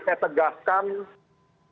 saya tegaskan bahwa